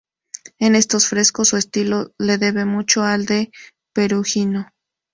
En estos frescos su estilo le debe mucho al de Perugino.